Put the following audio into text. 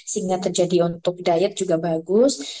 sehingga terjadi untuk diet juga bagus